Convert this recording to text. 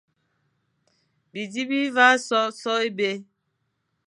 Bizi bi vagha so sô é bè,